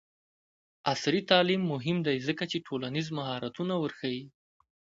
عصري تعلیم مهم دی ځکه چې ټولنیز مهارتونه ورښيي.